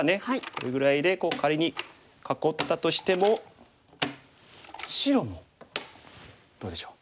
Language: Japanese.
これぐらいで仮に囲ったとしても白もどうでしょう。